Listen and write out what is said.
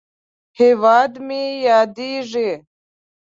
هېواد مې یادیږې!